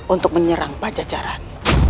untuk menyerang pajajaran